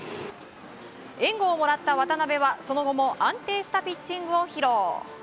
援護をもらった渡邊は、その後も安定したピッチングを披露。